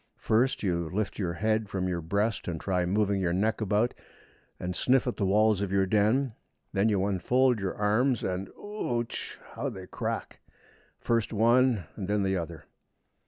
First you lift your head from your breast and try moving your neck about, and sniff at the walls of your den. Then you unfold your arms, and ooch! how they crack, first one and then the other!